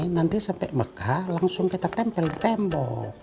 nanti sampai mekah langsung kita tempel tempel